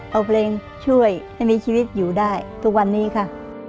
เอาเพลงช่วยให้มีชีวิตอยู่ได้ทุกวันนี้ค่ะ